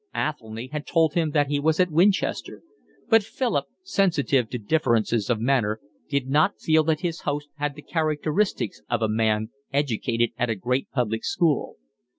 Athelny had told him that he was at Winchester; but Philip, sensitive to differences of manner, did not feel that his host had the characteristics of a man educated at a great public school.